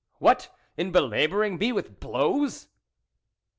"What, in belabouring me with blows